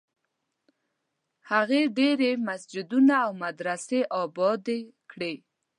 هغې ډېر مسجدونه او مدرسې ابادي کړې.